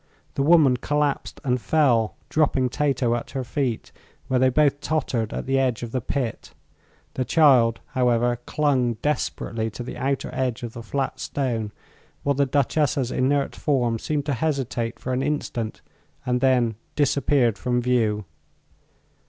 The woman collapsed and fell, dropping Tato at her feet, where they both tottered at the edge of the pit. The child, however, clung desperately to the outer edge of the flat stone, while the Duchessa's inert form seemed to hesitate for an instant and then disappeared from view.